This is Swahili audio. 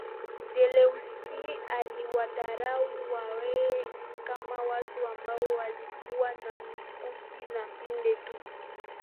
Zelewski aliwadharau Wahehe kama watu ambao walikuwa na mikuki na pinde tu